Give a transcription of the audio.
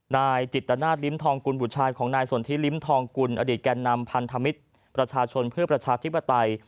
นายจิตนาศลิ้มทองกุลบุตรชายของนายสนทิลิ้มทองกุลอดีตแก่นำพันธมิตรประชาชนเพื่อประชาธิปไตย